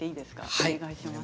お願いします。